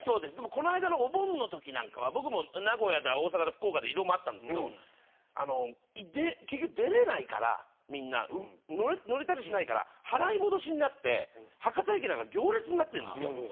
この間のお盆のときは僕も名古屋とか福岡とか移動があったんですけど結局出れないからみんな払い戻しになって博多駅なんか行列になってるんです。